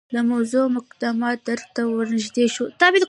د موضوع مقدماتي درک ته ورنژدې شو.